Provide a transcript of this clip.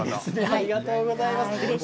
ありがとうございます。